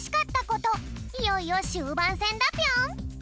いよいよしゅうばんせんだぴょん！